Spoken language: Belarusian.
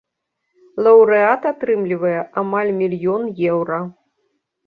Лаўрэат атрымлівае амаль мільён еўра.